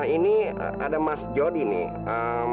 ini ada mas jody nih